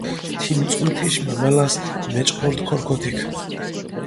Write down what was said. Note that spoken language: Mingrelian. თიმ წუნთიშ მამალას მეჭყორდჷ ქორქოთიქ.